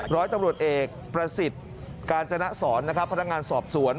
ร้อยตำรวจเอกประสิทธิ์กาญจนสอนนะครับพนักงานสอบสวน